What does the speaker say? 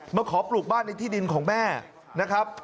มาขอปลูกบ้านในที่ดินของแม่นะครับ